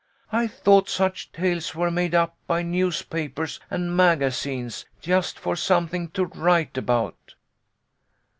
I thought such tales were made up by newspapers and magazines, just for something to write about."